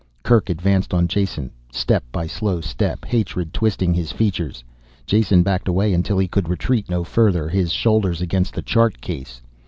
Kerk advanced on Jason, step by slow step, hatred twisting his features. Jason backed away until he could retreat no further, his shoulders against the chart case.